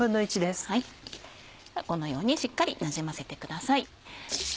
このようにしっかりなじませてください。